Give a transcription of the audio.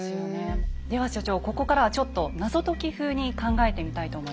では所長ここからはちょっと謎解き風に考えてみたいと思います。